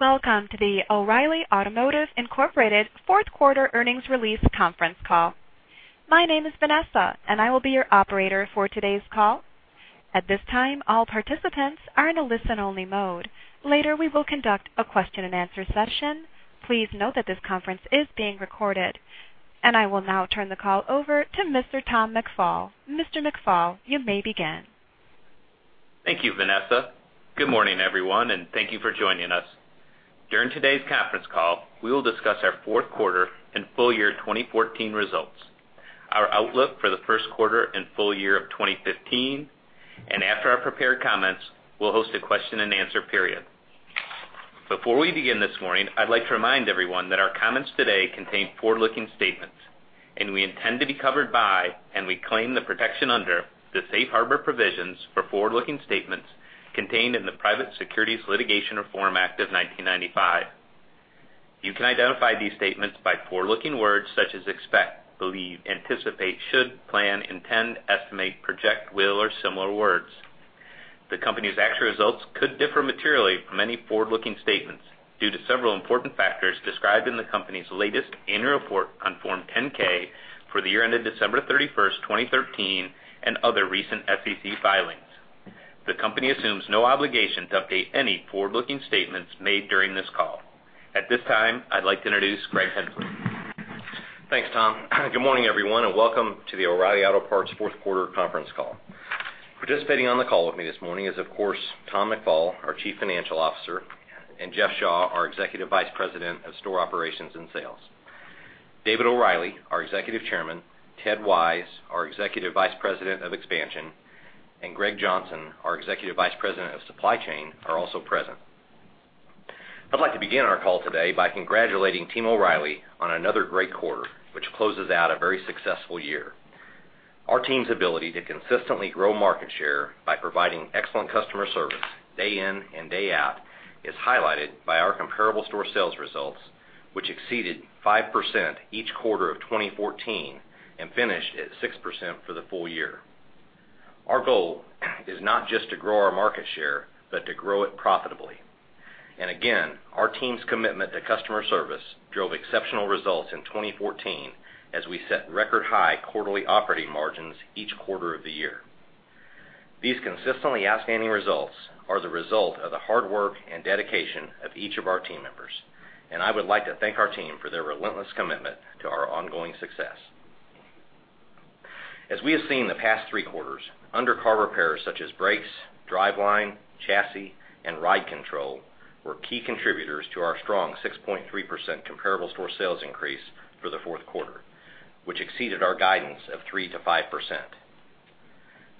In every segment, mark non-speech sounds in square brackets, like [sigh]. Welcome to the O'Reilly Automotive, Inc. fourth quarter earnings release conference call. My name is Vanessa, and I will be your operator for today's call. At this time, all participants are in a listen-only mode. Later, we will conduct a question-and-answer session. Please note that this conference is being recorded. I will now turn the call over to Mr. Tom McFall. Mr. McFall, you may begin. Thank you, Vanessa. Good morning, everyone, and thank you for joining us. During today's conference call, we will discuss our fourth quarter and full year 2014 results, our outlook for the first quarter and full year of 2015, and after our prepared comments, we'll host a question-and-answer period. Before we begin this morning, I'd like to remind everyone that our comments today contain forward-looking statements, and we intend to be covered by, and we claim the protection under, the Safe Harbor provisions for forward-looking statements contained in the Private Securities Litigation Reform Act of 1995. You can identify these statements by forward-looking words such as expect, believe, anticipate, should, plan, intend, estimate, project, will, or similar words. The company's actual results could differ materially from any forward-looking statements due to several important factors described in the company's latest annual report on Form 10-K for the year ended December 31st, 2013, and other recent SEC filings. The company assumes no obligation to update any forward-looking statements made during this call. At this time, I'd like to introduce Greg Henslee. Thanks, Tom. Good morning, everyone, and welcome to the O'Reilly Auto Parts fourth quarter conference call. Participating on the call with me this morning is, of course, Tom McFall, our Chief Financial Officer, and Jeff Shaw, our Executive Vice President of Store Operations and Sales. David O'Reilly, our Executive Chairman, Ted Wise, our Executive Vice President of Expansion, and Greg Johnson, our Executive Vice President of Supply Chain, are also present. I'd like to begin our call today by congratulating Team O'Reilly on another great quarter, which closes out a very successful year. Our team's ability to consistently grow market share by providing excellent customer service day in and day out is highlighted by our comparable store sales results, which exceeded 5% each quarter of 2014 and finished at 6% for the full year. Our goal is not just to grow our market share, but to grow it profitably. Again, our team's commitment to customer service drove exceptional results in 2014 as we set record-high quarterly operating margins each quarter of the year. These consistently outstanding results are the result of the hard work and dedication of each of our team members, and I would like to thank our team for their relentless commitment to our ongoing success. As we have seen the past three quarters, under-car repairs such as brakes, driveline, chassis, and ride control were key contributors to our strong 6.3% comparable store sales increase for the fourth quarter, which exceeded our guidance of 3%-5%.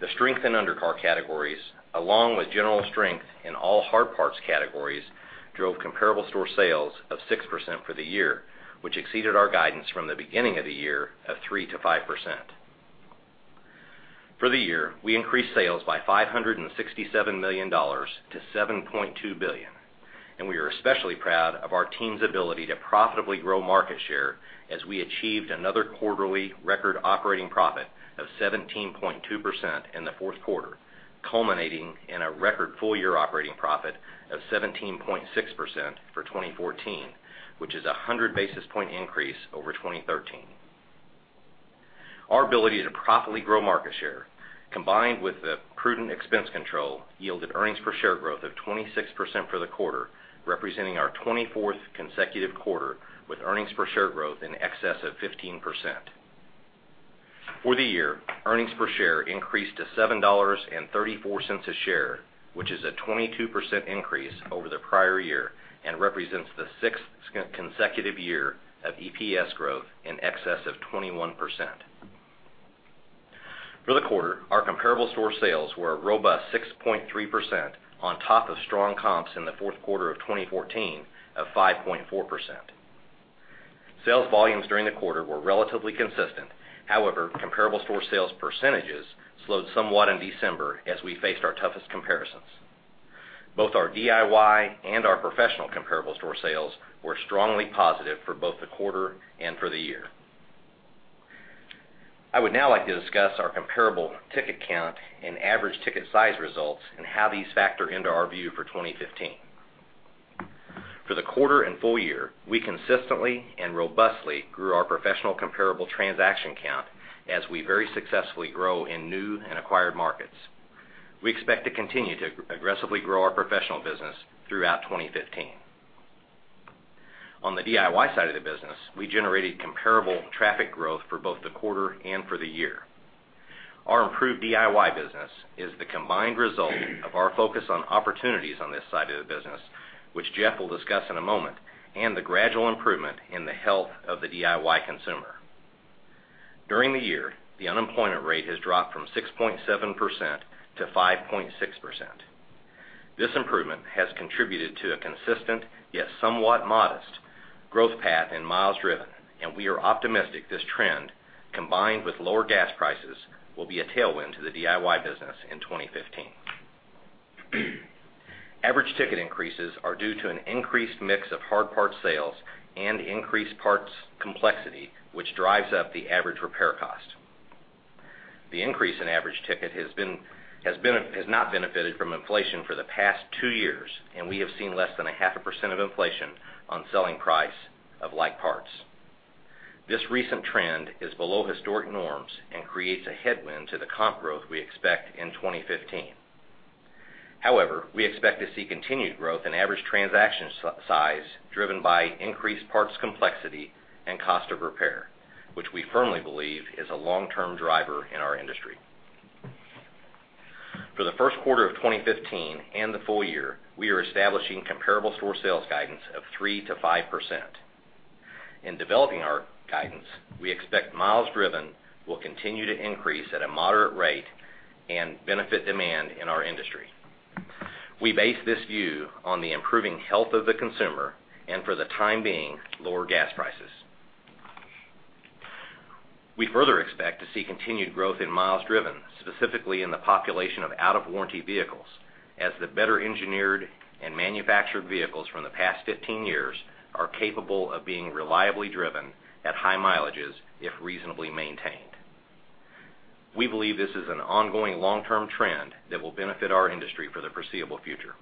The strength in under-car categories, along with general strength in all hard parts categories, drove comparable store sales of 6% for the year, which exceeded our guidance from the beginning of the year of 3%-5%. For the year, we increased sales by $567 million to $7.2 billion. We are especially proud of our team's ability to profitably grow market share as we achieved another quarterly record operating profit of 17.2% in the fourth quarter, culminating in a record full-year operating profit of 17.6% for 2014, which is a 100-basis-point increase over 2013. Our ability to profitably grow market share, combined with the prudent expense control, yielded earnings per share growth of 26% for the quarter, representing our 24th consecutive quarter with earnings per share growth in excess of 15%. For the year, earnings per share increased to $7.34 a share, which is a 22% increase over the prior year and represents the sixth consecutive year of EPS growth in excess of 21%. For the quarter, our comparable store sales were a robust 6.3% on top of strong comps in the fourth quarter of 2013 of 5.4%. Sales volumes during the quarter were relatively consistent. However, comparable store sales percentages slowed somewhat in December as we faced our toughest comparisons. Both our DIY and our professional comparable store sales were strongly positive for both the quarter and for the year. I would now like to discuss our comparable ticket count and average ticket size results and how these factor into our view for 2015. For the quarter and full year, we consistently and robustly grew our professional comparable transaction count as we very successfully grow in new and acquired markets. We expect to continue to aggressively grow our professional business throughout 2015. On the DIY side of the business, we generated comparable traffic growth for both the quarter and for the year. Our improved DIY business is the combined result of our focus on opportunities on this side of the business, which Jeff will discuss in a moment, and the gradual improvement in the health of the DIY consumer. During the year, the unemployment rate has dropped from 6.7%-5.6%. This improvement has contributed to a consistent, yet somewhat modest, growth path in miles driven. We are optimistic this trend, combined with lower gas prices, will be a tailwind to the DIY business in 2015. Average ticket increases are due to an increased mix of hard parts sales and increased parts complexity, which drives up the average repair cost. The increase in average ticket has not benefited from inflation for the past two years. We have seen less than 0.5% of inflation on selling price of like parts. This recent trend is below historic norms and creates a headwind to the comp growth we expect in 2015. However, we expect to see continued growth in average transaction size driven by increased parts complexity and cost of repair, which we firmly believe is a long-term driver in our industry. For the first quarter of 2015 and the full year, we are establishing comparable store sales guidance of 3%-5%. In developing our guidance, we expect miles driven will continue to increase at a moderate rate and benefit demand in our industry. We base this view on the improving health of the consumer and, for the time being, lower gas prices. We further expect to see continued growth in miles driven, specifically in the population of out-of-warranty vehicles, as the better-engineered and manufactured vehicles from the past 15 years are capable of being reliably driven at high mileages if reasonably maintained. We believe this is an ongoing long-term trend that will benefit our industry for the foreseeable future.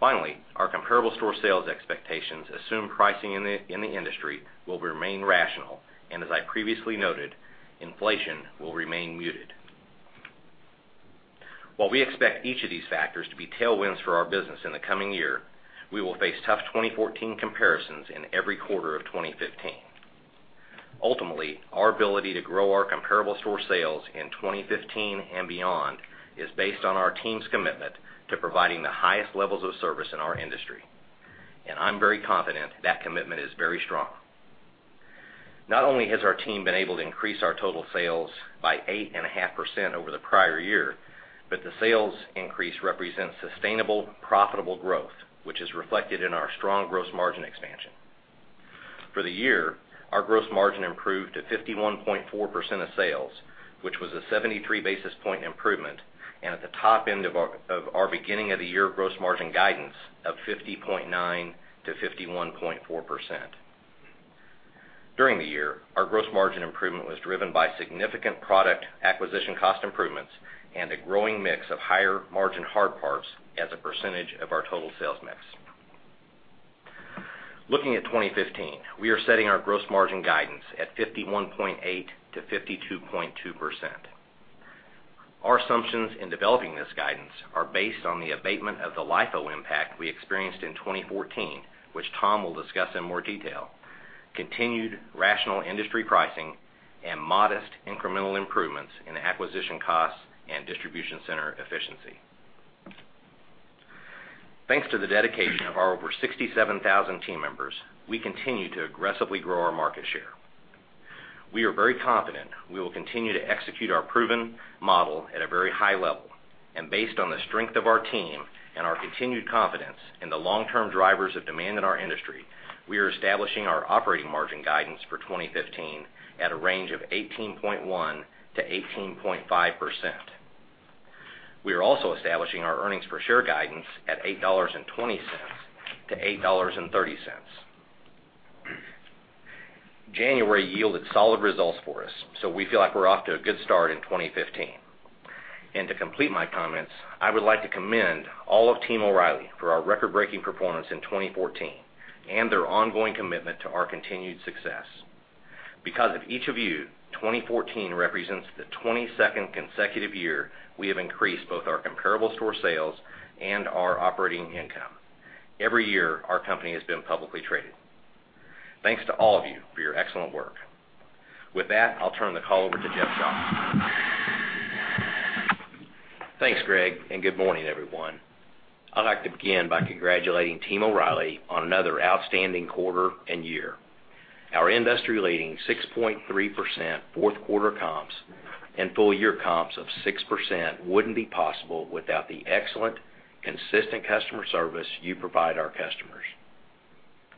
Finally, our comparable store sales expectations assume pricing in the industry will remain rational, and as I previously noted, inflation will remain muted. While we expect each of these factors to be tailwinds for our business in the coming year, we will face tough 2014 comparisons in every quarter of 2015. Ultimately, our ability to grow our comparable store sales in 2015 and beyond is based on our team's commitment to providing the highest levels of service in our industry. I'm very confident that commitment is very strong. Not only has our team been able to increase our total sales by 8.5% over the prior year, but the sales increase represents sustainable, profitable growth, which is reflected in our strong gross margin expansion. For the year, our gross margin improved to 51.4% of sales, which was a 73-basis-point improvement, and at the top end of our beginning-of-the-year gross margin guidance of 50.9%-51.4%. During the year, our gross margin improvement was driven by significant product acquisition cost improvements and a growing mix of higher-margin hard parts as a percentage of our total sales mix. Looking at 2015, we are setting our gross margin guidance at 51.8%-52.2%. Our assumptions in developing this guidance are based on the abatement of the LIFO impact we experienced in 2014, which Tom will discuss in more detail, continued rational industry pricing, and modest incremental improvements in acquisition costs and distribution center efficiency. Thanks to the dedication of our over 67,000 team members, we continue to aggressively grow our market share. We are very confident we will continue to execute our proven model at a very high level, and based on the strength of our team and our continued confidence in the long-term drivers of demand in our industry, we are establishing our operating margin guidance for 2015 at a range of 18.1%-18.5%. We are also establishing our earnings per share guidance at $8.20-$8.30. January yielded solid results for us, we feel like we're off to a good start in 2015. To complete my comments, I would like to commend all of Team O’Reilly for our record-breaking performance in 2014 and their ongoing commitment to our continued success. Because of each of you, 2014 represents the 22nd consecutive year we have increased both our comparable store sales and our operating income every year our company has been publicly traded. Thanks to all of you for your excellent work. With that, I'll turn the call over to Jeff Shaw. Thanks, Greg, good morning, everyone. I'd like to begin by congratulating Team O’Reilly on another outstanding quarter and year. Our industry-leading 6.3% fourth quarter comps and full year comps of 6% wouldn't be possible without the excellent, consistent customer service you provide our customers.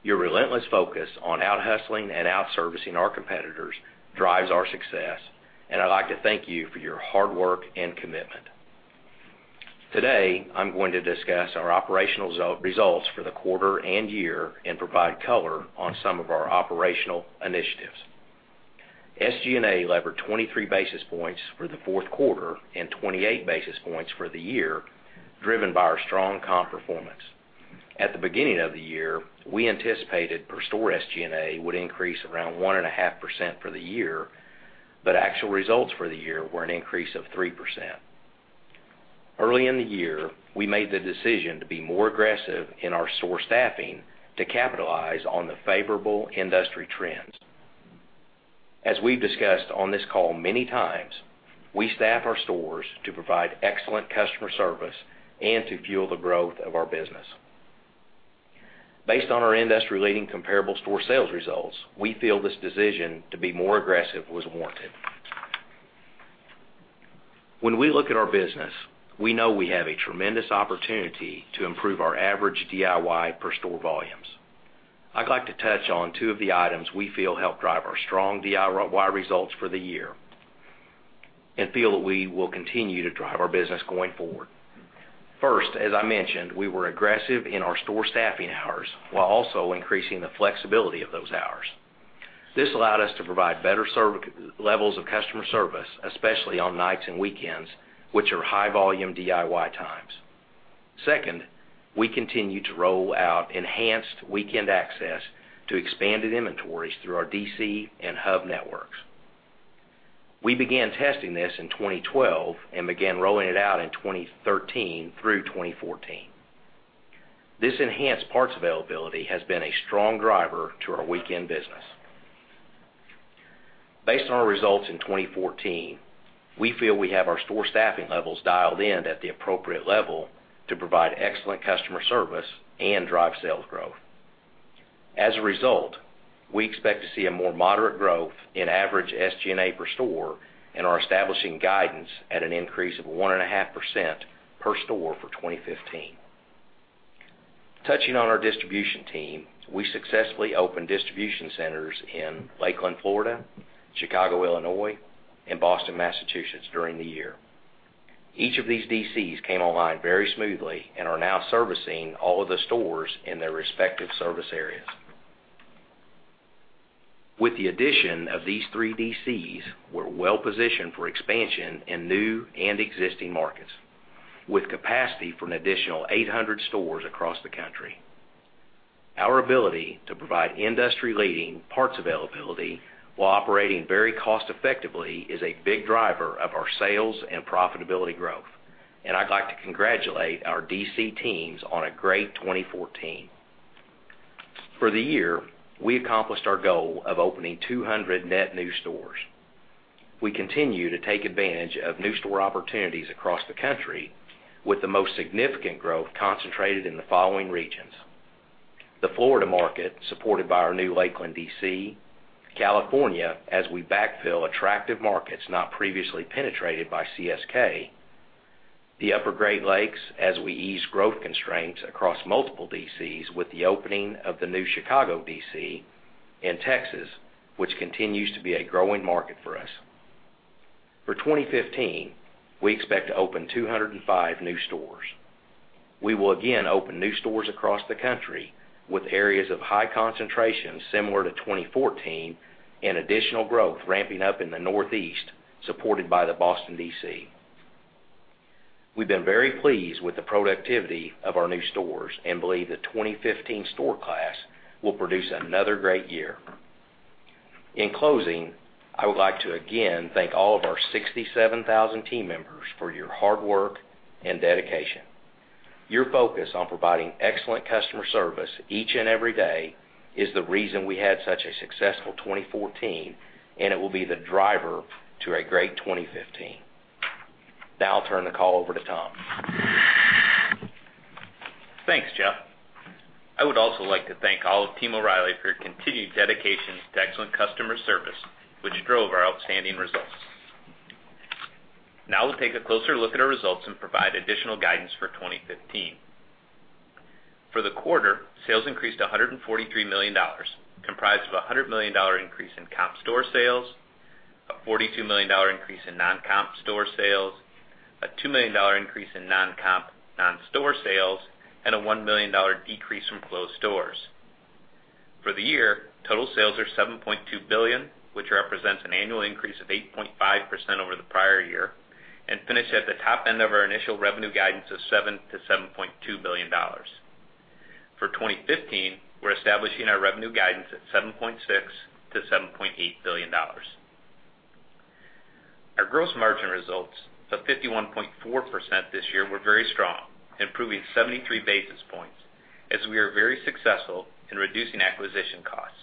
Your relentless focus on out-hustling and out-servicing our competitors drives our success, and I'd like to thank you for your hard work and commitment. Today, I'm going to discuss our operational results for the quarter and year and provide color on some of our operational initiatives. SG&A levered 23 basis points for the fourth quarter and 28 basis points for the year, driven by our strong comp performance. At the beginning of the year, we anticipated per store SG&A would increase around 1.5% for the year, but actual results for the year were an increase of 3%. Early in the year, we made the decision to be more aggressive in our store staffing to capitalize on the favorable industry trends. As we've discussed on this call many times, we staff our stores to provide excellent customer service and to fuel the growth of our business. Based on our industry-leading comparable store sales results, we feel this decision to be more aggressive was warranted. When we look at our business, we know we have a tremendous opportunity to improve our average DIY per store volumes. I'd like to touch on two of the items we feel helped drive our strong DIY results for the year and feel that we will continue to drive our business going forward. First, as I mentioned, we were aggressive in our store staffing hours while also increasing the flexibility of those hours. This allowed us to provide better levels of customer service, especially on nights and weekends, which are high volume DIY times. Second, we continue to roll out enhanced weekend access to expanded inventories through our DC and hub networks. We began testing this in 2012 and began rolling it out in 2013 through 2014. This enhanced parts availability has been a strong driver to our weekend business. Based on our results in 2014, we feel we have our store staffing levels dialed in at the appropriate level to provide excellent customer service and drive sales growth. As a result, we expect to see a more moderate growth in average SG&A per store and are establishing guidance at an increase of 1.5% per store for 2015. Touching on our distribution team, we successfully opened distribution centers in Lakeland, Florida, Chicago, Illinois, and Boston, Massachusetts during the year. Each of these 3 DCs came online very smoothly and are now servicing all of the stores in their respective service areas. With the addition of these 3 DCs, we're well-positioned for expansion in new and existing markets, with capacity for an additional 800 stores across the country. Our ability to provide industry-leading parts availability while operating very cost effectively is a big driver of our sales and profitability growth. I'd like to congratulate our DC teams on a great 2014. For the year, we accomplished our goal of opening 200 net new stores. We continue to take advantage of new store opportunities across the country, with the most significant growth concentrated in the following regions: the Florida market, supported by our new Lakeland DC, California, as we backfill attractive markets not previously penetrated by CSK, the Upper Great Lakes as we ease growth constraints across multiple DCs with the opening of the new Chicago DC, and Texas, which continues to be a growing market for us. For 2015, we expect to open 205 new stores. We will again open new stores across the country with areas of high concentration similar to 2014 and additional growth ramping up in the Northeast, supported by the Boston DC. We've been very pleased with the productivity of our new stores and believe the 2015 store class will produce another great year. In closing, I would like to again thank all of our 67,000 team members for your hard work and dedication. Your focus on providing excellent customer service each and every day is the reason we had such a successful 2014. It will be the driver to a great 2015. Now I'll turn the call over to Tom. Thanks, Jeff. I would also like to thank all of Team O’Reilly for your continued dedication to excellent customer service, which drove our outstanding results. Now we'll take a closer look at our results and provide additional guidance for 2015. For the quarter, sales increased to $143 million, comprised of $100 million increase in comp store sales, a $42 million increase in non-comp store sales, a $2 million increase in non-comp non-store sales, and a $1 million decrease from closed stores. For the year, total sales are $7.2 billion, which represents an annual increase of 8.5% over the prior year and finishes at the top end of our initial revenue guidance of $7 billion-$7.2 billion. For 2015, we're establishing our revenue guidance at $7.6 billion-$7.8 billion. Our gross margin results of 51.4% this year were very strong, improving 73 basis points as we are very successful in reducing acquisition costs.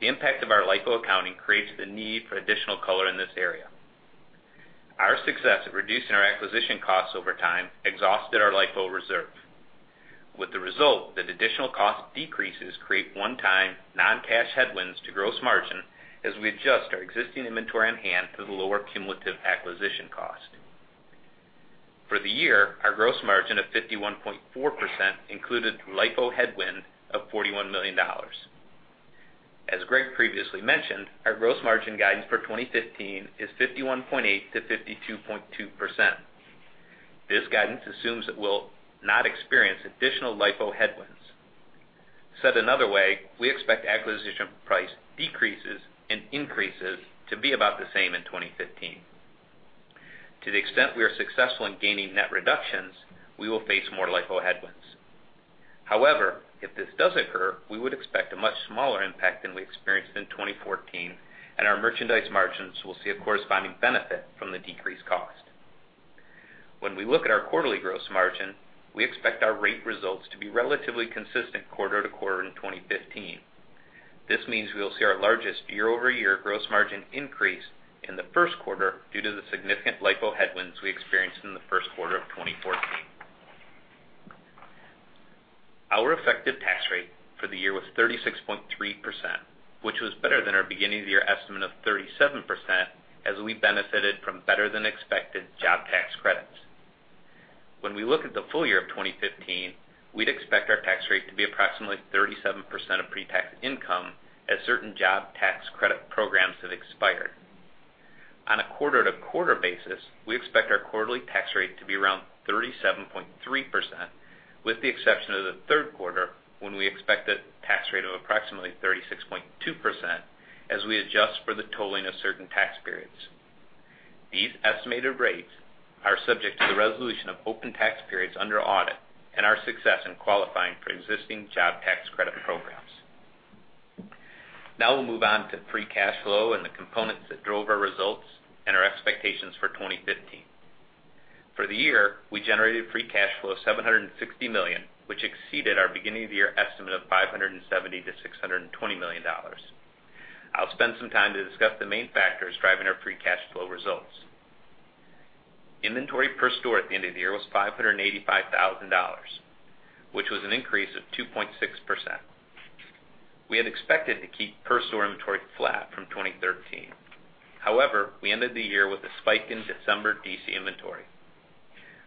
The impact of our LIFO accounting creates the need for additional color in this area. Our success at reducing our acquisition costs over time exhausted our LIFO reserve, with the result that additional cost decreases create one-time non-cash headwinds to gross margin as we adjust our existing inventory on hand to the lower cumulative acquisition cost. Our gross margin of 51.4% included LIFO headwind of $41 million. As Greg previously mentioned, our gross margin guidance for 2015 is 51.8%-52.2%. This guidance assumes that we'll not experience additional LIFO headwinds. Said another way, we expect acquisition price decreases and increases to be about the same in 2015. To the extent we are successful in gaining net reductions, we will face more LIFO headwinds. If this does occur, we would expect a much smaller impact than we experienced in 2014, and our merchandise margins will see a corresponding benefit from the decreased cost. We look at our quarterly gross margin, we expect our rate results to be relatively consistent quarter-to-quarter in 2015. This means we will see our largest year-over-year gross margin increase in the first quarter due to the significant LIFO headwinds we experienced in the first quarter of 2014. Our effective tax rate for the year was 36.3%, which was better than our beginning of the year estimate of 37% as we benefited from better-than-expected job tax credits. When we look at the full year of 2015, we'd expect our tax rate to be approximately 37% of pre-tax income as certain job tax credit programs have expired. On a quarter-to-quarter basis, we expect our quarterly tax rate to be around 37.3%, with the exception of the third quarter, when we expect a tax rate of approximately 36.2% as we adjust for the tolling of certain tax periods. These estimated rates are subject to the resolution of open tax periods under audit and our success in qualifying for existing job tax credit programs. We'll move on to free cash flow and the components that drove our results and our expectations for 2015. For the year, we generated free cash flow of $760 million, which exceeded our beginning of the year estimate of $570 million-$620 million. I'll spend some time to discuss the main factors driving our free cash flow results. Inventory per store at the end of the year was $585,000, which was an increase of 2.6%. We had expected to keep per store inventory flat from 2013. However, we ended the year with a spike in December DC inventory.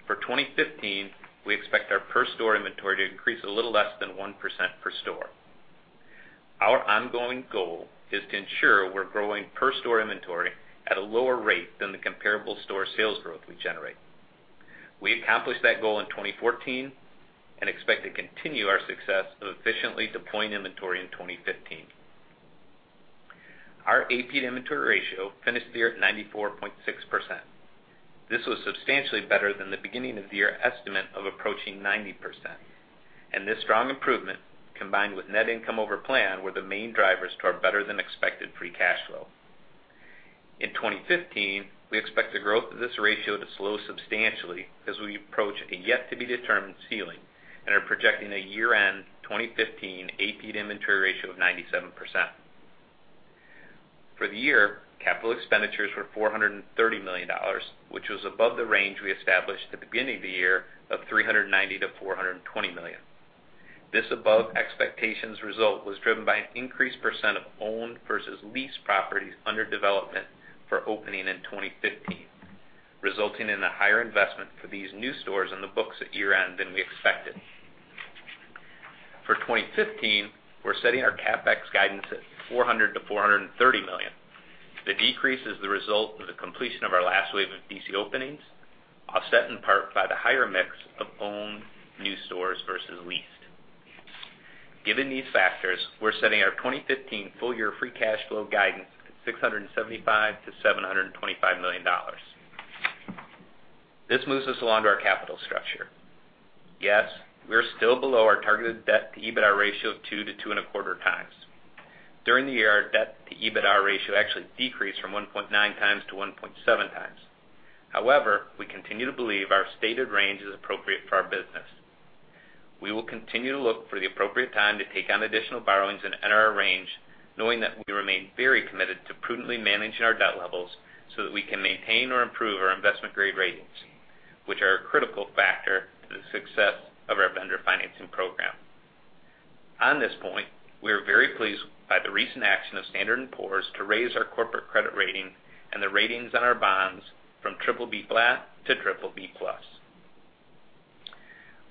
For 2015, we expect our per store inventory to increase a little less than 1% per store. Our ongoing goal is to ensure we're growing per store inventory at a lower rate than the comparable store sales growth we generate. We accomplished that goal in 2014 and expect to continue our success of efficiently deploying inventory in 2015. Our AP inventory ratio finished the year at 94.6%. This was substantially better than the beginning of the year estimate of approaching 90%. This strong improvement, combined with net income over plan, were the main drivers to our better-than-expected free cash flow. In 2015, we expect the growth of this ratio to slow substantially as we approach a yet to be determined ceiling and are projecting a year-end 2015 AP to inventory ratio of 97%. For the year, capital expenditures were $430 million, which was above the range we established at the beginning of the year of $390 million-$420 million. This above expectations result was driven by an increased % of owned versus leased properties under development for opening in 2015, resulting in a higher investment for these new stores on the books at year-end than we expected. For 2015, we're setting our CapEx guidance at $400 million-$430 million. The decrease is the result of the completion of our last wave of DC openings, offset in part by the higher mix of owned new stores versus leased. Given these factors, we're setting our 2015 full year free cash flow guidance to $675 million-$725 million. This moves us along to our capital structure. Yes, we're still below our targeted debt-to-EBITDA ratio of 2 to 2.25 times. During the year, our debt-to-EBITDA ratio actually decreased from 1.9 times-1.7 times. However, we continue to believe our stated range is appropriate for our business. We will continue to look for the appropriate time to take on additional borrowings and enter our range, knowing that we remain very committed to prudently managing our debt levels so that we can maintain or improve our investment-grade ratings, which are a critical factor to the success of our vendor financing program. On this point, we are very pleased by the recent action of Standard & Poor's to raise our corporate credit rating and the ratings on our bonds from BBB flat to BBB+.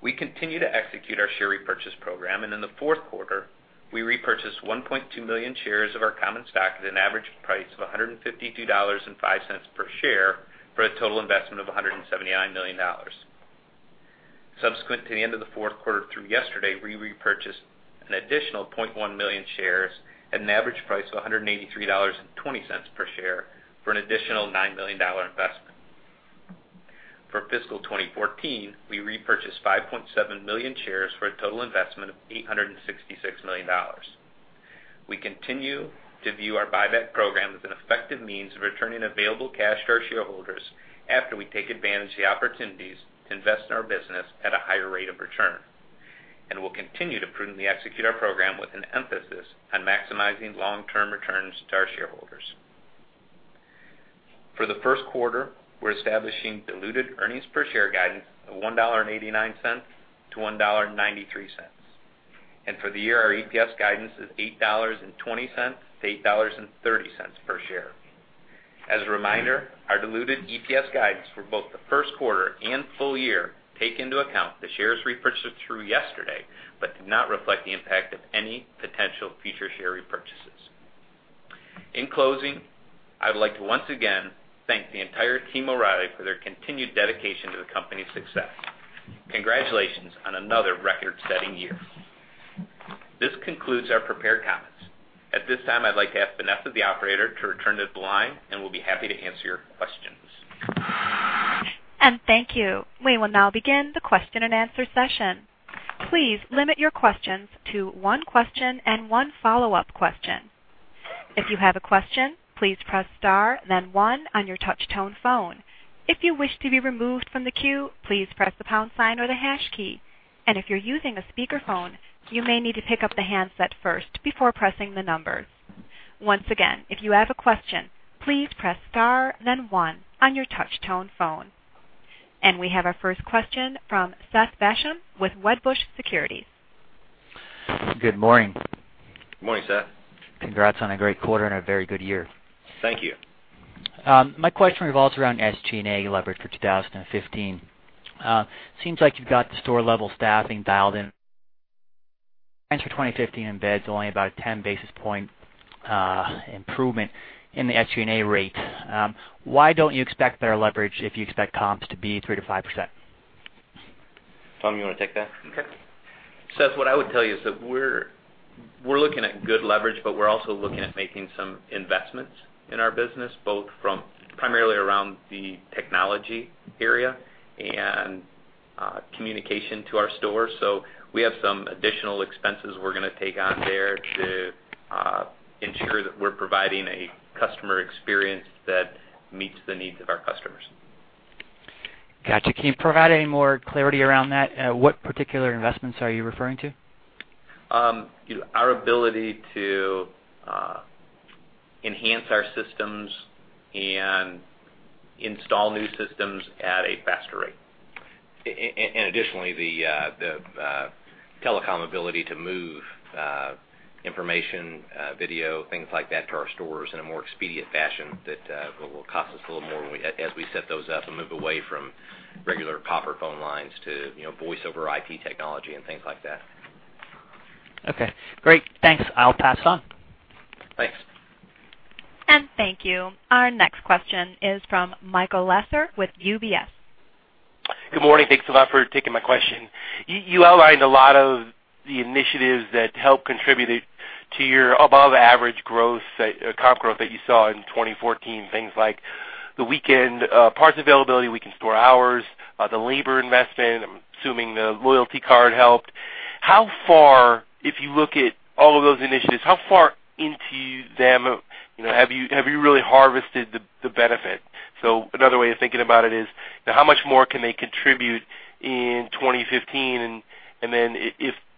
We continue to execute our share repurchase program, and in the fourth quarter, we repurchased 1.2 million shares of our common stock at an average price of $152.50 per share for a total investment of $179 million. Subsequent to the end of the fourth quarter through yesterday, we repurchased an additional 0.1 million shares at an average price of $183.20 per share for an additional $9 million investment. For fiscal 2014, we repurchased 5.7 million shares for a total investment of $866 million. We continue to view our buyback program as an effective means of returning available cash to our shareholders after we take advantage of the opportunities to invest in our business at a higher rate of return. We'll continue to prudently execute our program with an emphasis on maximizing long-term returns to our shareholders. For the first quarter, we're establishing diluted earnings per share guidance of $1.89-$1.93. For the year, our EPS guidance is $8.20-$8.30 per share. As a reminder, our diluted EPS guidance for both the first quarter and full year take into account the shares repurchased through yesterday but do not reflect the impact of any potential future share repurchases. In closing, I would like to once again thank the entire Team O’Reilly for their continued dedication to the company's success. Congratulations on another record-setting year. This concludes our prepared comments. At this time, I'd like to ask Vanessa, the operator, to return to the line, and we'll be happy to answer your questions. Thank you. We will now begin the question and answer session. Please limit your questions to one question and one follow-up question. If you have a question, please press star then one on your touch tone phone. If you wish to be removed from the queue, please press the pound sign or the hash key. If you're using a speakerphone, you may need to pick up the handset first before pressing the numbers. Once again, if you have a question, please press star then one on your touch tone phone. We have our first question from Seth Basham with Wedbush Securities. Good morning. Morning, Seth. Congrats on a great quarter and a very good year. Thank you. My question revolves around SG&A leverage for 2015. Seems like you've got the store level staffing dialed in. For 2015 embeds only about a 10 basis point improvement in the SG&A rate. Why don't you expect better leverage if you expect comps to be 3%-5%? Tom, you want to take that? Okay. Seth, what I would tell you is that we're looking at good leverage, we're also looking at making some investments in our business, both from primarily around the technology area and communication to our stores. We have some additional expenses we're going to take on there to ensure that we're providing a customer experience that meets the needs of our customers. Got you. Can you provide any more clarity around that? What particular investments are you referring to? Our ability to enhance our systems and install new systems at a faster rate. Additionally, the telecom ability to move information, video, things like that, to our stores in a more expedient fashion that will cost us a little more as we set those up and move away from regular copper phone lines to voiceover IP technology and things like that. Okay, great. Thanks. I'll pass on. Thanks. Thank you. Our next question is from Michael Lasser with UBS. Good morning. Thanks a lot for taking my question. You outlined a lot of the initiatives that help contribute to your above average comp growth that you saw in 2014, things like the weekend parts availability, weekend store hours, the labor investment, I'm assuming the loyalty card helped. If you look at all of those initiatives, how far into them have you really harvested the benefit? Another way of thinking about it is, how much more can they contribute in 2015? Then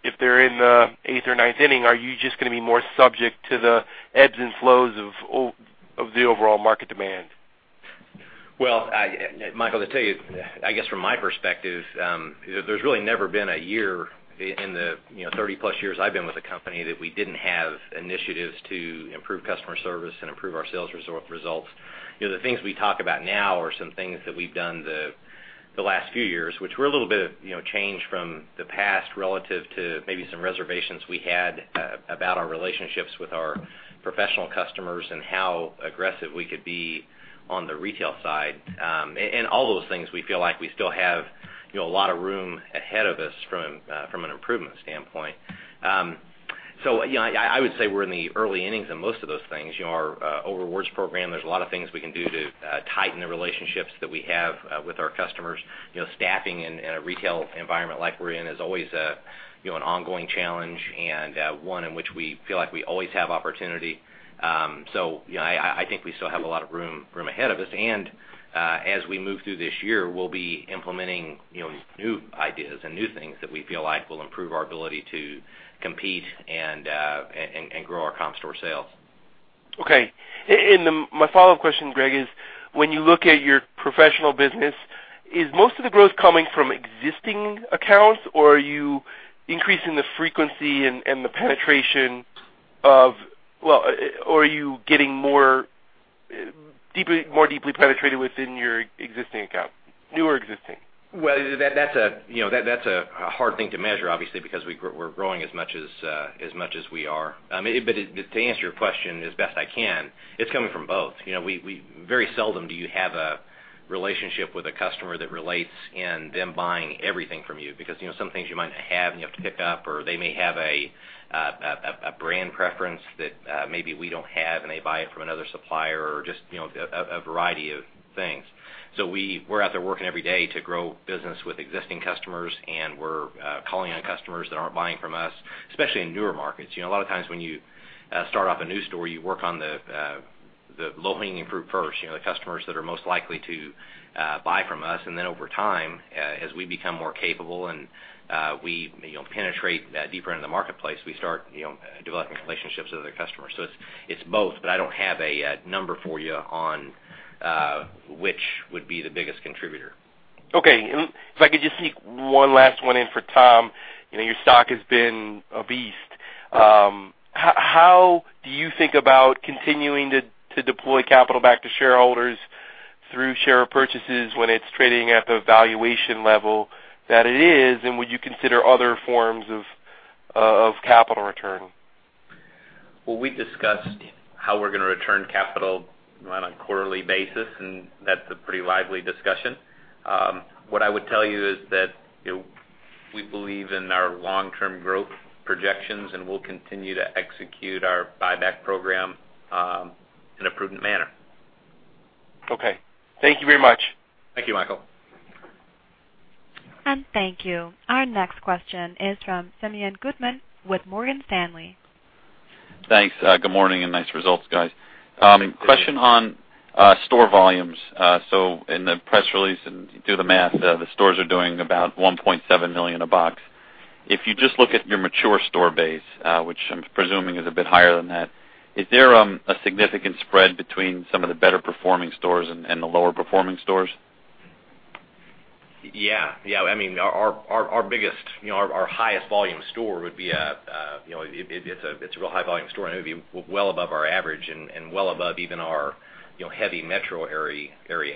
if they're in the eighth or ninth inning, are you just going to be more subject to the ebbs and flows of the overall market demand? Well, Michael, to tell you, I guess from my perspective, there's really never been a year in the 30 plus years I've been with the company that we didn't have initiatives to improve customer service and improve our sales results. The things we talk about now are some things that we've done the last few years, which were a little bit of change from the past relative to maybe some reservations we had about our relationships with our professional customers and how aggressive we could be on the retail side. All those things we feel like we still have a lot of room ahead of us from an improvement standpoint. I would say we're in the early innings on most of those things. Our rewards program, there's a lot of things we can do to tighten the relationships that we have with our customers. Staffing in a retail environment like we're in is always an ongoing challenge and one in which we feel like we always have opportunity. I think we still have a lot of room ahead of us. As we move through this year, we'll be implementing new ideas and new things that we feel like will improve our ability to compete and grow our comp store sales. Okay. My follow-up question, Greg, is when you look at your professional business, is most of the growth coming from existing accounts, or are you increasing the frequency and the penetration of, or are you getting more deeply penetrated within your existing account, new or existing? That's a hard thing to measure, obviously, because we're growing as much as we are. To answer your question as best I can, it's coming from both. Very seldom do you have a relationship with a customer that relates in them buying everything from you because some things you might not have and you have to pick up, or they may have a brand preference that maybe we don't have and they buy it from another supplier, or just a variety of things. We're out there working every day to grow business with existing customers, and we're calling on customers that aren't buying from us, especially in newer markets. A lot of times when you start off a new store, you work on the low-hanging fruit first, the customers that are most likely to buy from us. Over time, as we become more capable and we penetrate deeper into the marketplace, we start developing relationships with other customers. It's both, but I don't have a number for you on which would be the biggest contributor. Okay. If I could just sneak one last one in for Tom. Your stock has been a beast. How do you think about continuing to deploy capital back to shareholders through share purchases when it's trading at the valuation level that it is? Would you consider other forms of capital return? We discussed how we're going to return capital on a quarterly basis, and that's a pretty lively discussion. What I would tell you is that we believe in our long-term growth projections, and we'll continue to execute our buyback program in a prudent manner. Okay. Thank you very much. Thank you, Michael. Thank you. Our next question is from Simeon Gutman with Morgan Stanley. Thanks. Good morning, nice results, guys. Question on store volumes. In the press release, if you do the math, the stores are doing about $1.7 million a box. If you just look at your mature store base, which I'm presuming is a bit higher than that, is there a significant spread between some of the better performing stores and the lower performing stores? Yeah. Our highest volume store would be a real high volume store, it would be well above our average and well above even our heavy metro area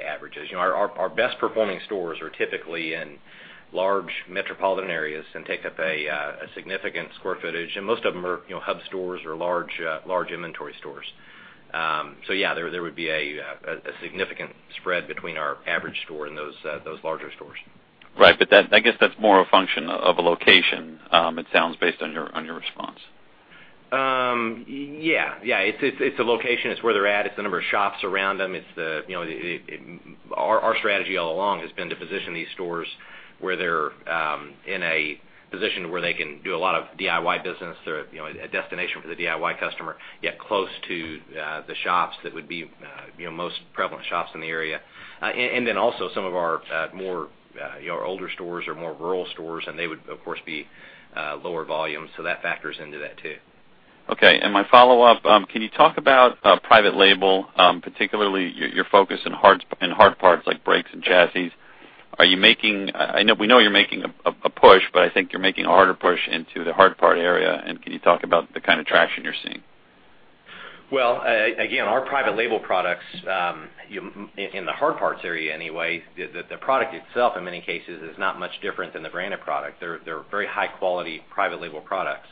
averages. Our best performing stores are typically in large metropolitan areas and take up a significant square footage, and most of them are hub stores or large inventory stores. Yeah, there would be a significant spread between our average store and those larger stores. Right. I guess that's more a function of a location, it sounds, based on your response. Yeah. It's the location, it's where they're at, it's the number of shops around them. Our strategy all along has been to position these stores where they're in a position where they can do a lot of DIY business. They're a destination for the DIY customer, yet close to the shops that would be most prevalent shops in the area. Also some of our older stores or more rural stores, and they would, of course, be lower volume, so that factors into that too. Okay. My follow-up, can you talk about private label, particularly your focus in hard parts like brakes and chassis? We know you're making a push, but I think you're making a harder push into the hard part area, and can you talk about the kind of traction you're seeing? Well, again, our private label products, in the hard parts area anyway, the product itself, in many cases, is not much different than the branded product. They're very high-quality private label products.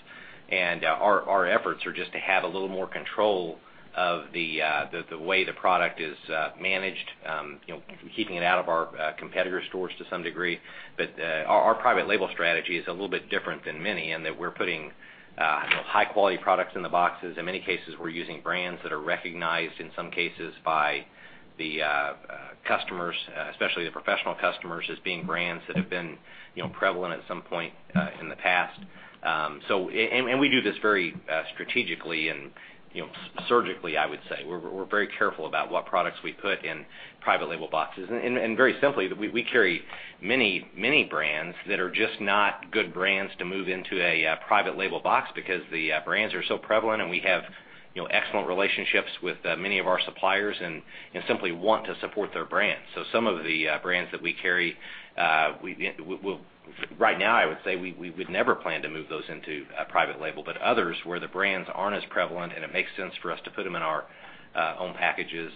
Our efforts are just to have a little more control of the way the product is managed, keeping it out of our competitor stores to some degree. Our private label strategy is a little bit different than many in that we're putting high-quality products in the boxes. In many cases, we're using brands that are recognized, in some cases, by the customers, especially the professional customers, as being brands that have been prevalent at some point in the past. We do this very strategically and surgically, I would say. We're very careful about what products we put in private label boxes. Very simply, we carry many brands that are just not good brands to move into a private label box because the brands are so prevalent, and we have excellent relationships with many of our suppliers and simply want to support their brands. Some of the brands that we carry, right now, I would say we would never plan to move those into a private label. Others, where the brands aren't as prevalent and it makes sense for us to put them in our own packages,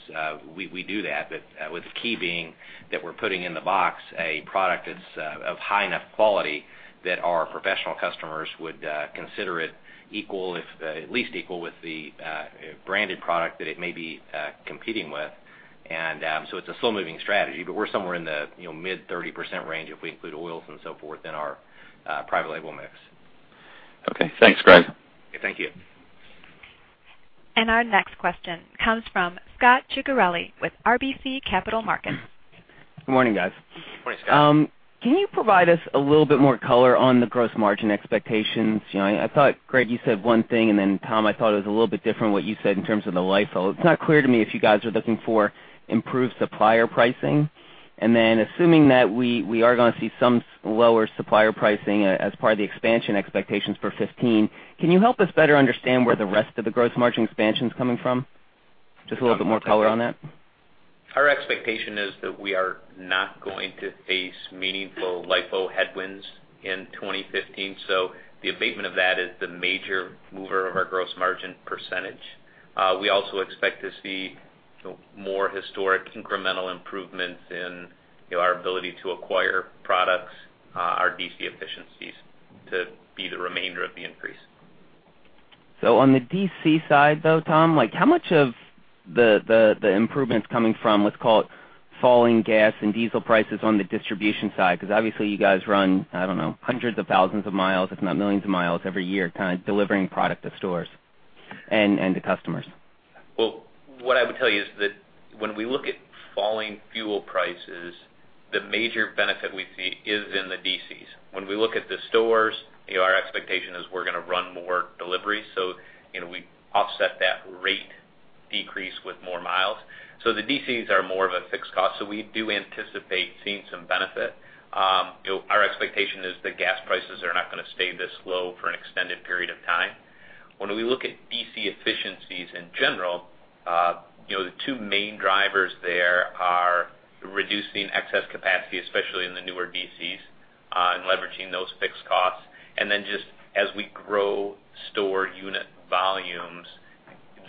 we do that. With the key being that we're putting in the box a product that's of high enough quality that our professional customers would consider it at least equal with the branded product that it may be competing with. it's a slow-moving strategy, but we're somewhere in the mid-30% range if we include oils and so forth in our private label mix. Okay. Thanks, Greg. Thank you. Our next question comes from Scot Ciccarelli with RBC Capital Markets. Good morning, guys. Morning, Scot. Can you provide us a little bit more color on the gross margin expectations? I thought, Greg, you said one thing, and Tom, I thought it was a little bit different what you said in terms of the LIFO. It is not clear to me if you guys are looking for improved supplier pricing. Assuming that we are going to see some lower supplier pricing as part of the expansion expectations for 2015, can you help us better understand where the rest of the gross margin expansion is coming from? Just a little bit more color on that. Our expectation is that we are not going to face meaningful LIFO headwinds in 2015, so the abatement of that is the major mover of our gross margin percentage. We also expect to see more historic incremental improvements in our ability to acquire products, our DC efficiencies to be the remainder of the increase. On the DC side, though, Tom, how much of the improvements coming from, let's call it, falling gas and diesel prices on the distribution side, because obviously you guys run, I don't know, hundreds of thousands of miles, if not millions of miles every year, kind of delivering product to stores and to customers. Well, what I would tell you is that when we look at falling fuel prices, the major benefit we see is in the DCs. When we look at the stores, our expectation is we're going to run more deliveries. We offset that rate decrease with more miles. The DCs are more of a fixed cost, we do anticipate seeing some benefit. Our expectation is that gas prices are not going to stay this low for an extended period of time. When we look at DC efficiencies in general, the two main drivers there are reducing excess capacity, especially in the newer DCs, and leveraging those fixed costs. Then just as we grow store unit volumes,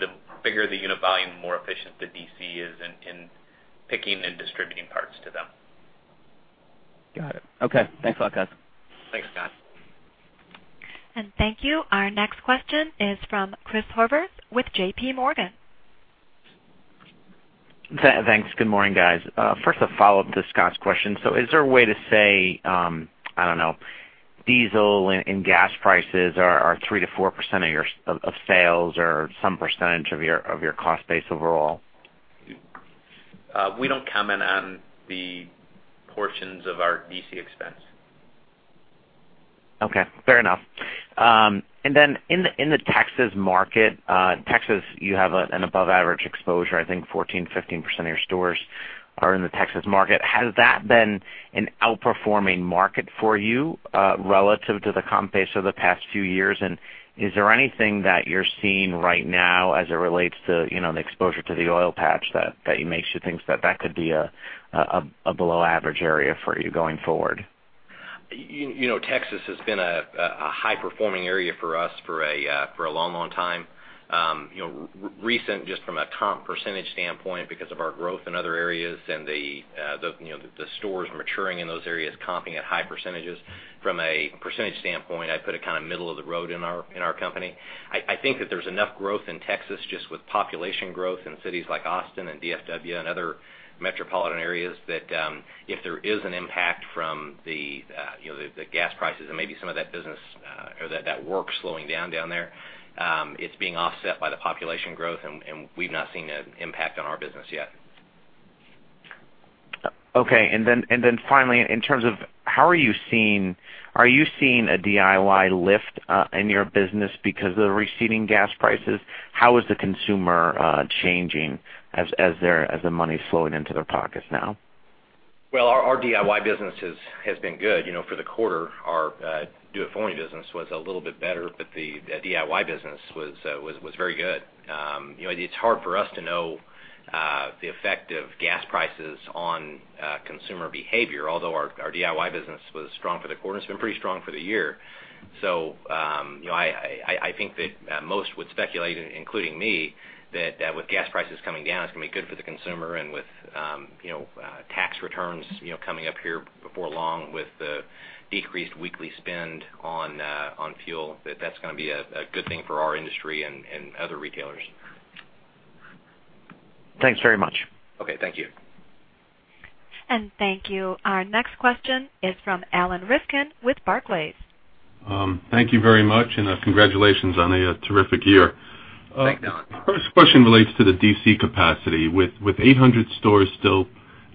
the bigger the unit volume, the more efficient the DC is in picking and distributing parts to them. Got it. Okay. Thanks a lot, guys. Thanks, Scot. Thank you. Our next question is from Chris Horvers with JPMorgan. Thanks. Good morning, guys. First, a follow-up to Scot's question. Is there a way to say, I don't know, diesel and gas prices are 3%-4% of sales or some percentage of your cost base overall? We don't comment on the portions of our DC expense. Okay. Fair enough. Then in the Texas market, Texas, you have an above-average exposure. I think 14%-15% of your stores are in the Texas market. Has that been an outperforming market for you relative to the comp base over the past few years? Is there anything that you're seeing right now as it relates to the exposure to the oil patch that makes you think that that could be a below-average area for you going forward? Texas has been a high-performing area for us for a long time. Recent, just from a comp percentage standpoint, because of our growth in other areas and the stores maturing in those areas, comping at high percentages. From a percentage standpoint, I put it kind of middle of the road in our company. I think that there's enough growth in Texas just with population growth in cities like Austin and DFW and other metropolitan areas, that if there is an impact from the gas prices and maybe some of that business or that work slowing down there, it's being offset by the population growth, and we've not seen an impact on our business yet. Okay. Then finally, in terms of Are you seeing a DIY lift in your business because of the receding gas prices? How is the consumer changing as the money is flowing into their pockets now? Well, our DIY business has been good. For the quarter, our do-it-for-me business was a little bit better, but the DIY business was very good. It's hard for us to know the effect of gas prices on consumer behavior, although our DIY business was strong for the quarter, it's been pretty strong for the year. I think that most would speculate, including me, that with gas prices coming down, it's going to be good for the consumer and with tax returns coming up here before long with the decreased weekly spend on fuel, that that's going to be a good thing for our industry and other retailers. Thanks very much. Okay. Thank you. Thank you. Our next question is from Alan Rifkin with Barclays. Thank you very much, and congratulations on a terrific year. Thanks, Alan. First question relates to the DC capacity. With 800 stores still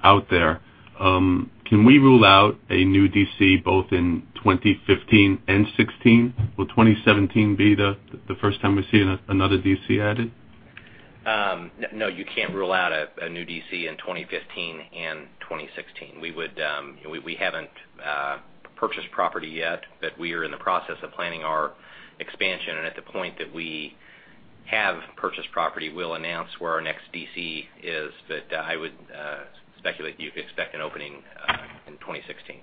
out there, can we rule out a new DC both in 2015 and 2016? Will 2017 be the first time we see another DC added? No, you can't rule out a new DC in 2015 and 2016. We haven't purchased property yet, we are in the process of planning our expansion, at the point that we have purchased property, we'll announce where our next DC is. I would speculate you could expect an opening in 2016.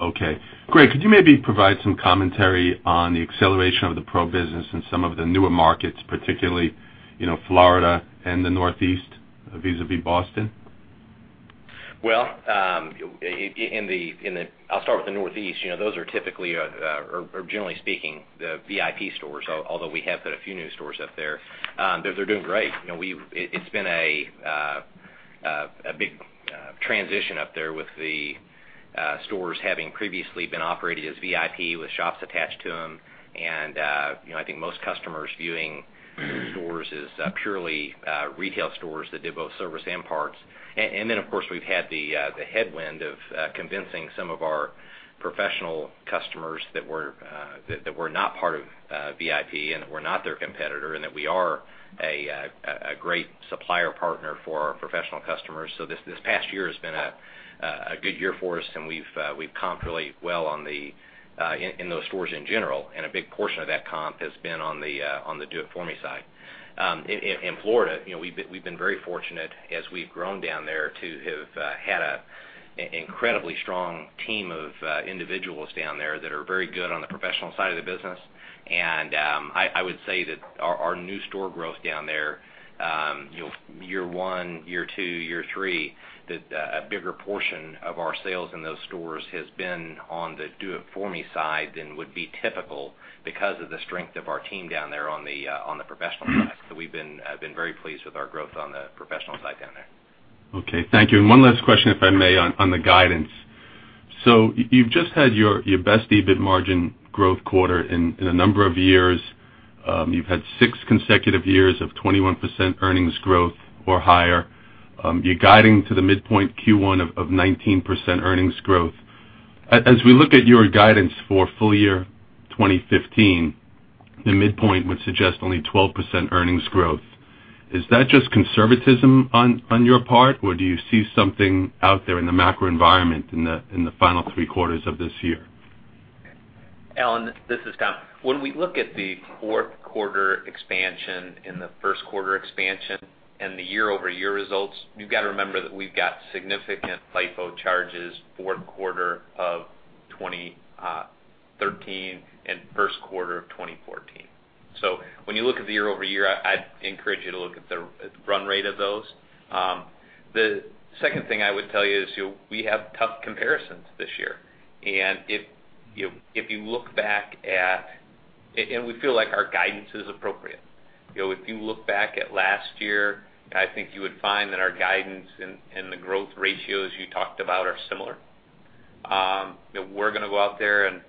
Okay. Greg, could you maybe provide some commentary on the acceleration of the pro business in some of the newer markets, particularly, Florida and the Northeast, vis-à-vis Boston? Well, I'll start with the Northeast. Those are typically, or generally speaking, the VIP stores, although we have put a few new stores up there. They're doing great. It's been a big transition up there with the stores having previously been operated as VIP with shops attached to them. I think most customers viewing stores as purely retail stores that do both service and parts. Then, of course, we've had the headwind of convincing some of our professional customers that we're not part of VIP and that we're not their competitor, and that we are a great supplier partner for our professional customers. This past year has been a good year for us, and we've comped really well in those stores in general, and a big portion of that comp has been on the do it for me side. In Florida, we've been very fortunate as we've grown down there to have had an incredibly strong team of individuals down there that are very good on the professional side of the business. I would say that our new store growth down there, year one, year two, year three, that a bigger portion of our sales in those stores has been on the do it for me side than would be typical because of the strength of our team down there on the professional side. We've been very pleased with our growth on the professional side down there. Okay. Thank you. One last question, if I may, on the guidance. You've just had your best EBIT margin growth quarter in a number of years. You've had six consecutive years of 21% earnings growth or higher. You're guiding to the midpoint Q1 of 19% earnings growth. As we look at your guidance for full year 2015, the midpoint would suggest only 12% earnings growth. Is that just conservatism on your part, or do you see something out there in the macro environment in the final three quarters of this year? Alan, this is Tom. When we look at the fourth quarter expansion and the first quarter expansion and the year-over-year results, you've got to remember that we've got significant LIFO charges fourth quarter of 2013 and first quarter of 2014. When you look at the year-over-year, I'd encourage you to look at the run rate of those. The second thing I would tell you is we have tough comparisons this year. We feel like our guidance is appropriate. If you look back at last year, I think you would find that our guidance and the growth ratios you talked about are similar. That we're going to go out there and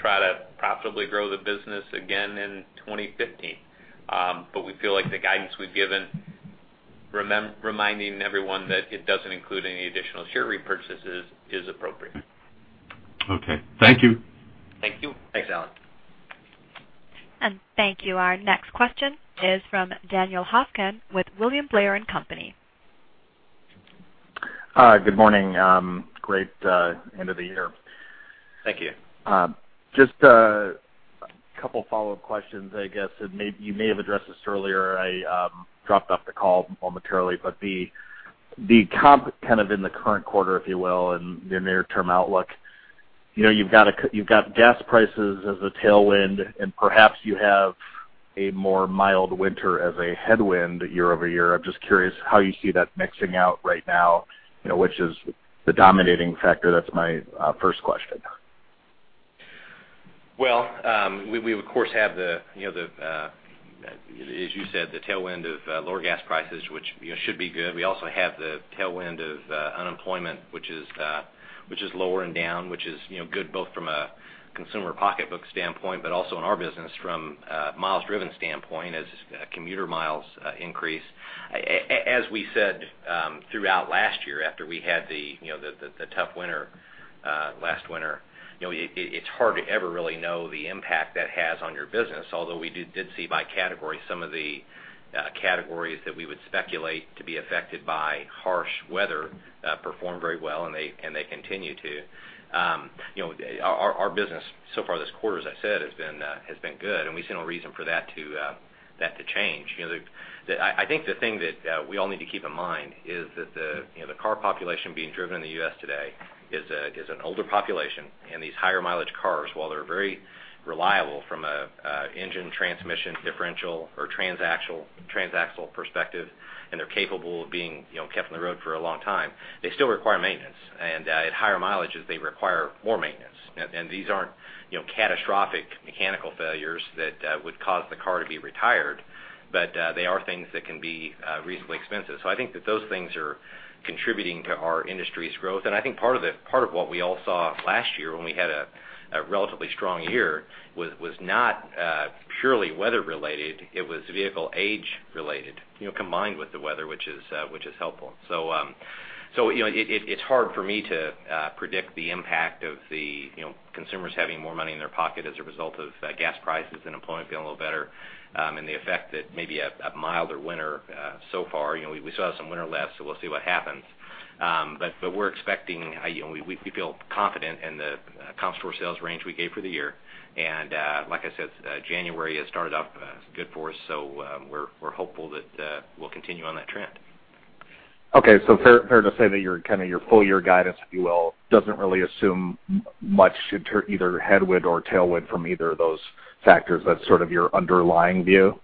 try to profitably grow the business again in 2015. We feel like the guidance we've given, reminding everyone that it doesn't include any additional share repurchases, is appropriate. Okay. Thank you. Thank you. Thanks, Alan. Thank you. Our next question is from Daniel Hosken with William Blair & Company. Hi. Good morning. Great end of the year. Thank you. A couple follow-up questions, I guess. You may have addressed this earlier. I dropped off the call momentarily, but the comp in the current quarter, if you will, and the near-term outlook. You've got gas prices as a tailwind, and perhaps you have a more mild winter as a headwind year-over-year. I'm just curious how you see that mixing out right now. Which is the dominating factor? That's my first question. Well, we of course have, as you said, the tailwind of lower gas prices, which should be good. We also have the tailwind of unemployment, which is lower and down, which is good both from a consumer pocketbook standpoint, but also in our business from a miles driven standpoint as commuter miles increase. As we said throughout last year, after we had the tough winter last winter, it's hard to ever really know the impact that has on your business, although we did see by category some of the categories that we would speculate to be affected by harsh weather performed very well, and they continue to. Our business so far this quarter, as I said, has been good, and we see no reason for that to change. I think the thing that we all need to keep in mind is that the car population being driven in the U.S. today is an older population, and these higher mileage cars, while they're very reliable from an engine, transmission, differential, or transaxle perspective, and they're capable of being kept on the road for a long time, they still require maintenance. At higher mileages, they require more maintenance. These aren't catastrophic mechanical failures that would cause the car to be retired, but they are things that can be reasonably expensive. I think that those things are contributing to our industry's growth, and I think part of what we all saw last year when we had a relatively strong year was not purely weather related. It was vehicle age related, combined with the weather, which is helpful. It's hard for me to predict the impact of the consumers having more money in their pocket as a result of gas prices and employment feeling a little better, and the effect that maybe a milder winter so far. We still have some winter left, so we'll see what happens. We feel confident in the comp store sales range we gave for the year. Like I said, January has started off good for us, so we're hopeful that we'll continue on that trend. Okay, fair to say that your full year guidance, if you will, doesn't really assume much either headwind or tailwind from either of those factors. That's sort of your underlying view?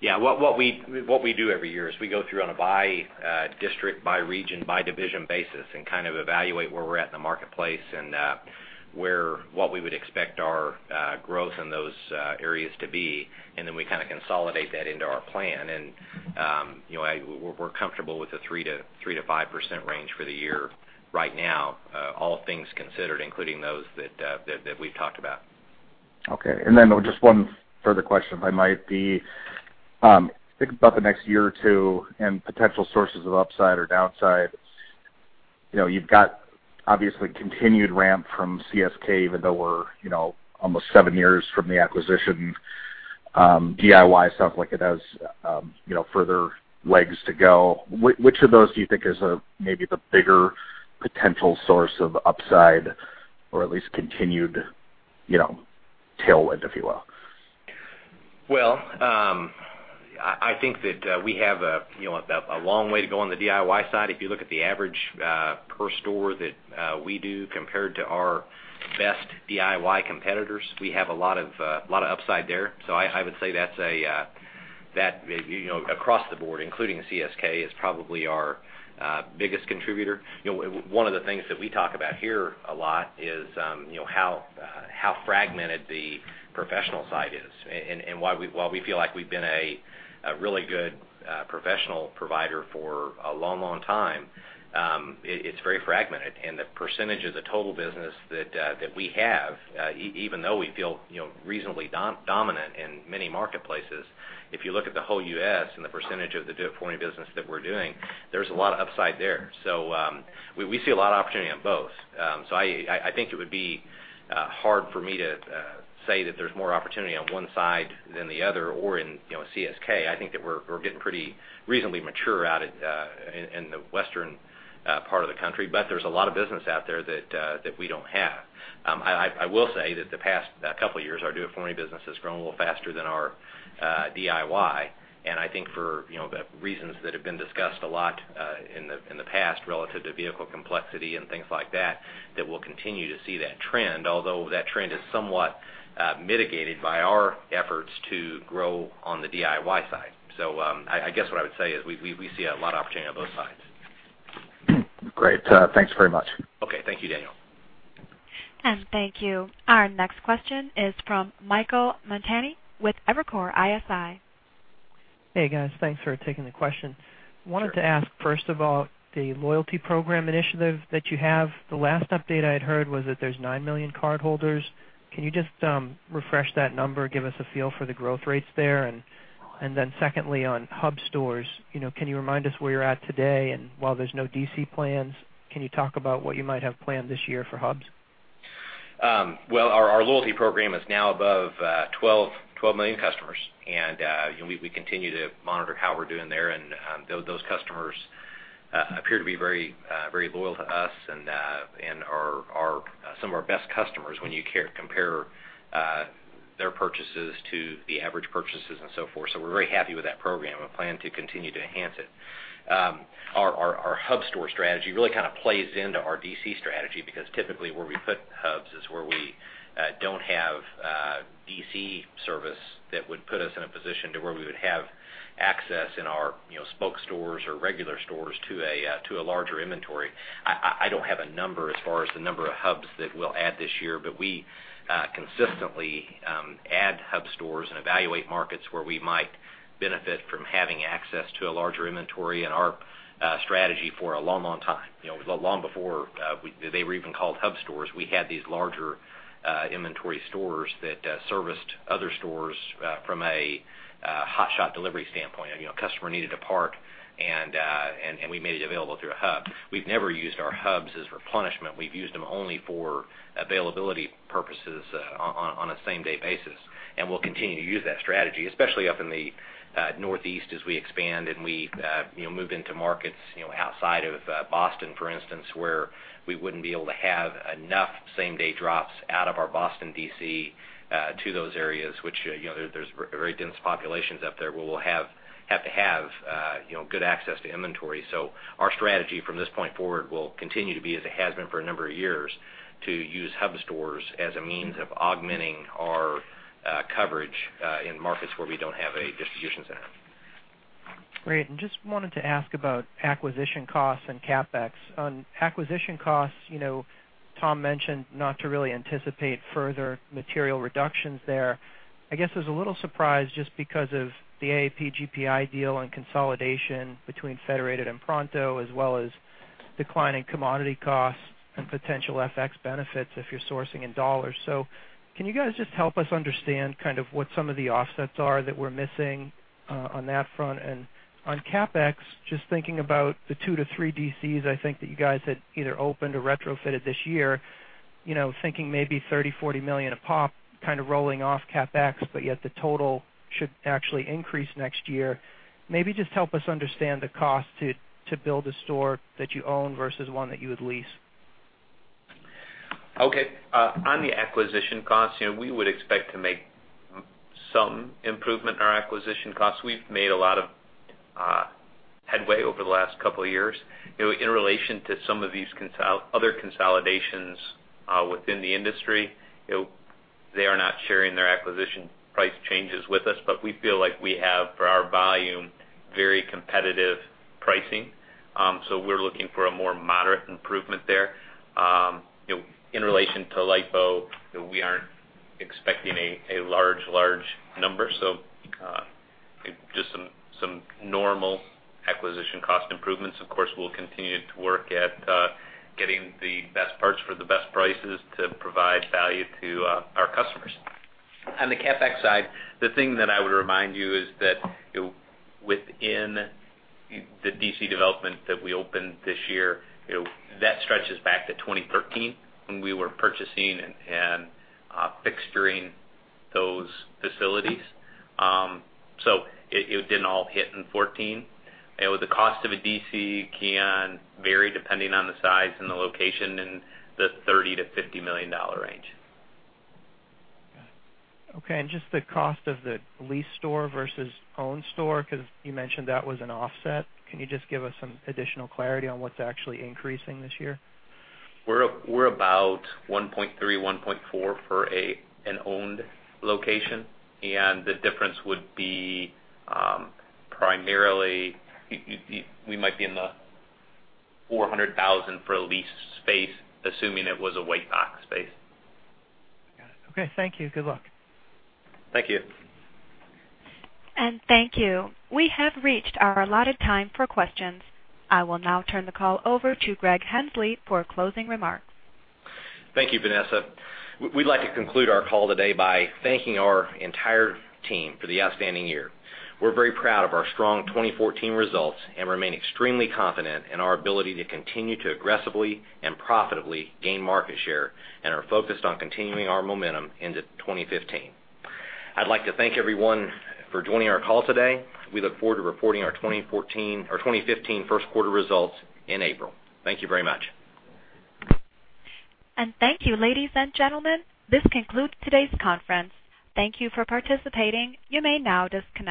Yeah. What we do every year is we go through on a by district, by region, by division basis and evaluate where we're at in the marketplace and what we would expect our growth in those areas to be. We consolidate that into our plan, and we're comfortable with the 3%-5% range for the year right now, all things considered, including those that we've talked about. Okay. Just one further question, if I might. Thinking about the next year or two and potential sources of upside or downside. You've got obviously continued ramp from CSK, even though we're almost seven years from the acquisition. DIY [inaudible] it has further legs to go. Which of those do you think is maybe the bigger potential source of upside, or at least continued tailwind, if you will? I think that we have a long way to go on the DIY side. If you look at the average per store that we do compared to our best DIY competitors, we have a lot of upside there. I would say that across the board, including CSK, is probably our biggest contributor. One of the things that we talk about here a lot is how fragmented the professional side is. While we feel like we've been a really good professional provider for a long time, it's very fragmented, and the percentage of the total business that we have, even though we feel reasonably dominant in many marketplaces, if you look at the whole U.S. and the percentage of the do-it-for-me business that we're doing, there's a lot of upside there. We see a lot of opportunity on both. I think it would be hard for me to say that there's more opportunity on one side than the other or in CSK. I think that we're getting pretty reasonably mature out in the western part of the country, but there's a lot of business out there that we don't have. I will say that the past couple of years, our do-it-for-me business has grown a little faster than our DIY, and I think for the reasons that have been discussed a lot in the past relative to vehicle complexity and things like that we'll continue to see that trend, although that trend is somewhat mitigated by our efforts to grow on the DIY side. I guess what I would say is we see a lot of opportunity on both sides. Great. Thanks very much. Thank you, Daniel. Thank you. Our next question is from Michael Montani with Evercore ISI. Hey, guys. Thanks for taking the question. Sure. I wanted to ask, first of all, the loyalty program initiative that you have. The last update I'd heard was that there's 9 million cardholders. Can you just refresh that number, give us a feel for the growth rates there? Then secondly, on hub stores, can you remind us where you're at today, and while there's no DC plans, can you talk about what you might have planned this year for hubs? Well, our loyalty program is now above 12 million customers. We continue to monitor how we're doing there and those customers appear to be very loyal to us and are some of our best customers when you compare their purchases to the average purchases and so forth. We're very happy with that program and plan to continue to enhance it. Our hub store strategy really kind of plays into our DC strategy, because typically where we put hubs is where we don't have DC service that would put us in a position to where we would have access in our spoke stores or regular stores to a larger inventory. I don't have a number as far as the number of hubs that we'll add this year. We consistently add hub stores and evaluate markets where we might benefit from having access to a larger inventory and our strategy for a long time. Long before they were even called hub stores, we had these larger inventory stores that serviced other stores from a hotshot delivery standpoint. A customer needed a part. We made it available through a hub. We've never used our hubs as replenishment. We've used them only for availability purposes on a same-day basis. We'll continue to use that strategy, especially up in the Northeast, as we expand and we move into markets outside of Boston, for instance, where we wouldn't be able to have enough same-day drops out of our Boston DC to those areas, which there's very dense populations up there, where we'll have to have good access to inventory. Our strategy from this point forward will continue to be as it has been for a number of years, to use hub stores as a means of augmenting our coverage in markets where we don't have a distribution center. Great. Just wanted to ask about acquisition costs and CapEx. On acquisition costs, Tom mentioned not to really anticipate further material reductions there. I guess there's a little surprise just because of the AAP GPI deal and consolidation between Federated and Pronto, as well as declining commodity costs and potential FX benefits if you're sourcing in dollars. Can you guys just help us understand kind of what some of the offsets are that we're missing on that front? On CapEx, just thinking about the 2-3 DCs, I think that you guys had either opened or retrofitted this year, thinking maybe $30 million-$40 million a pop kind of rolling off CapEx, but yet the total should actually increase next year. Maybe just help us understand the cost to build a store that you own versus one that you would lease. Okay. On the acquisition costs, we would expect to make some improvement in our acquisition costs. We've made a lot of headway over the last couple of years. In relation to some of these other consolidations within the industry, they are not sharing their acquisition price changes with us. We feel like we have, for our volume, very competitive pricing. We're looking for a more moderate improvement there. In relation to LIFO, we aren't expecting a large number. Just some normal acquisition cost improvements. Of course, we'll continue to work at getting the best parts for the best prices to provide value to our customers. On the CapEx side, the thing that I would remind you is that within the DC development that we opened this year, that stretches back to 2013, when we were purchasing and fixturing those facilities. It didn't all hit in 2014. The cost of a DC can vary depending on the size and the location in the $30 million-$50 million range. Okay, just the cost of the lease store versus owned store, because you mentioned that was an offset. Can you just give us some additional clarity on what's actually increasing this year? We're about $1.3 million, $1.4 million for an owned location, the difference would be primarily, we might be in the $400,000 for a lease space, assuming it was a white box space. Got it. Okay, thank you. Good luck. Thank you. Thank you. We have reached our allotted time for questions. I will now turn the call over to Greg Henslee for closing remarks. Thank you, Vanessa. We'd like to conclude our call today by thanking our entire team for the outstanding year. We're very proud of our strong 2014 results and remain extremely confident in our ability to continue to aggressively and profitably gain market share and are focused on continuing our momentum into 2015. I'd like to thank everyone for joining our call today. We look forward to reporting our 2015 first quarter results in April. Thank you very much. Thank you, ladies and gentlemen. This concludes today's conference. Thank you for participating. You may now disconnect.